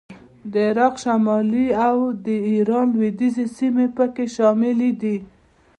د عراق شمالي او د ایران لوېدیځې سیمې په کې شاملې دي